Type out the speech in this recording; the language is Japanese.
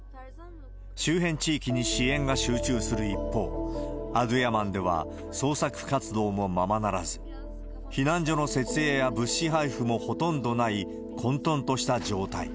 周辺地域に支援が集中する一方、アドゥヤマンでは捜索活動もままならず、避難所の設営や物資配布もほとんどない、混とんとした状態。